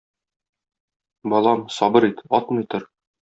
Балам, сабыр ит, атмый тор.